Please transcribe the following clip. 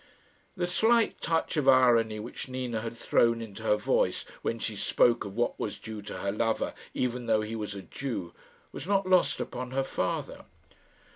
The slight touch of irony which Nina had thrown into her voice when she spoke of what was due to her lover even though he was a Jew was not lost upon her father.